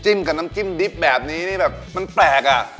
จิ้มกับน้ำจิ้มดริปแบบนี้มันแปลกอะ